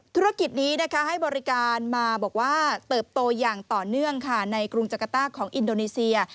ธุรกิจนี้นะคะให้บริการมาบอกว่าเติบโตอย่างต่อเนื่องค่ะในกรุงจักรต้าของอินโดนีเซีย